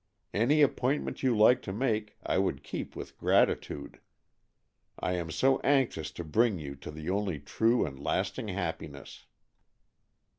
Any appointment you like to make I would keep with grati tude. I am so anxious to bring you to the only true and lasting happiness."